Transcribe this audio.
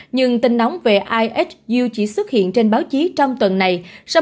nhưng tin nóng về ihu chỉ xuất hiện trên báo chí trong tuần này